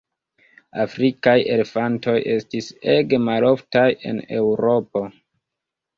Afrikaj elefantoj estis ege maloftaj en Eŭropo.